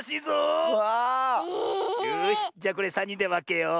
よしじゃこれさんにんでわけよう。